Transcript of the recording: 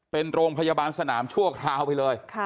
เป็นโรงพยาบาลสนามชั่วคราวไปเลย